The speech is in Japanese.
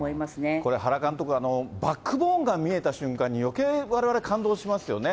これ、原監督、バックボーンが見えた瞬間によけいわれわれ感動しますよね。